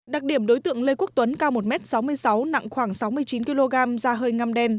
đặc điểm đối tượng lê quốc tuấn cao một m sáu mươi sáu nặng khoảng sáu mươi chín kg da hơi ngăm đen